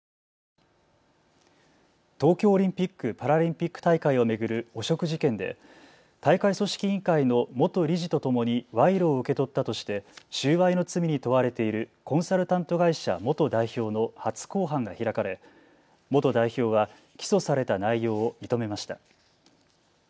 東京オリンピック・パラリンピック大会を巡る汚職事件で大会組織委員会の元理事とともに賄賂を受け取ったとして収賄の罪に問われているコンサルタント会社元代表の初公判が開かれ元代表は起訴された内容を認めました。